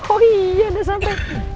oh iya udah sampai